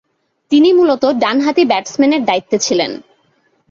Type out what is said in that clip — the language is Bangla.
তিনি মূলতঃ ডানহাতি ব্যাটসম্যানের দায়িত্বে ছিলেন।